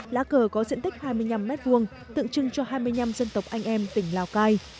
lá cờ có diện tích hai mươi năm m hai tượng trưng cho hai mươi năm dân tộc anh em tỉnh lào cai